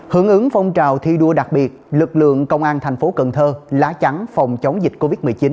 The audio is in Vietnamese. hưởng ứng phong trào thi đua đặc biệt lực lượng công an thành phố cần thơ lá trắng phòng chống dịch covid một mươi chín